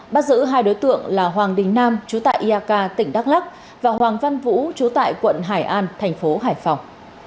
bắt giữ hai đối tượng là hoàng đình nam chú tại iak tỉnh đắk lắc và hoàng văn vũ chú tại quận hải an thành phố hải phòng